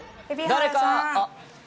誰か。